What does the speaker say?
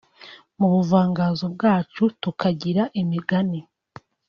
Mu buvanganzo bwacu tukagira imigani